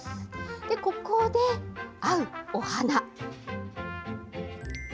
ここで合うお花。